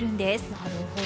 なるほど。